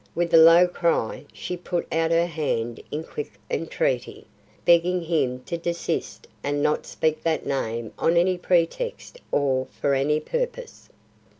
With a low cry, she put out her hand in quick entreaty, begging him to desist and not speak that name on any pretext or for any purpose.